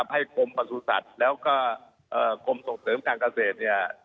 ให้กรมประสุทธิ์แล้วก็กรมส่งเสริมการเกษตรเนี่ย